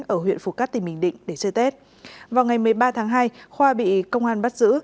ở huyện phù cát tỉnh bình định để chơi tết vào ngày một mươi ba tháng hai khoa bị công an bắt giữ